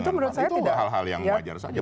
juga dengan pdip itu hal hal yang wajar saja